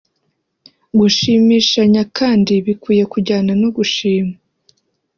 Gushimishanya kandi bikwiye kujyana no gushima